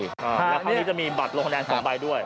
ครับคราวนี้จะมีบัตรลงแดงของใบด้วย